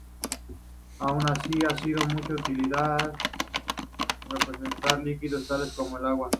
Aun así, ha sido de mucha utilidad para representar líquidos tales como el agua.